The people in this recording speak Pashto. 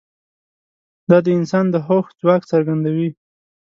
دا د انسان د هوښ ځواک څرګندوي.